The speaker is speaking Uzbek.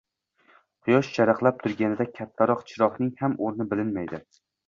Quyosh charaqlab turganida kattaroq chiroqning ham o‘rni bilinmaydi.